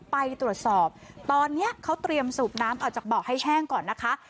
ไปตรวจสอบตอนนี้เขาเตรียมสูบน้ำออกจากเบาะให้แห้งก่อนนะคะ